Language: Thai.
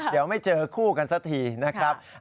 เดี๋ยวไม่เจอคู่กันสักทีนะครับ